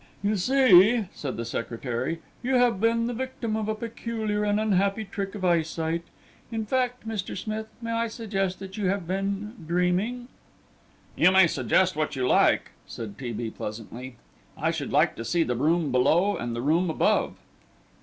"You see," said the secretary, "you have been the victim of a peculiar and unhappy trick of eyesight; in fact, Mr. Smith, may I suggest that you have been dreaming?" "You may suggest just what you like," said T. B. pleasantly. "I should like to see the room below and the room above."